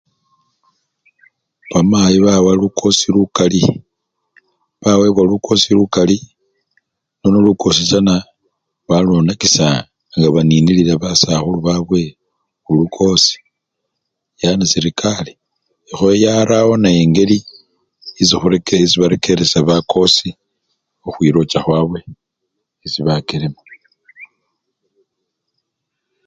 Bamayi bawa lukosi lukali, bawebwa lukosi lukali nono lukosi chana balwonakisha nga baninilila basakhulu babwe khulukosi, yani serekari ekhoya yarawo nayo engeli esikhureke-esibarekeresha bakosi khukhwilocha khwabwe esi bakelema.